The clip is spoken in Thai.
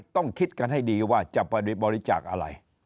ต้องคิดกันให้ดีว่าจะบริจาคอะไร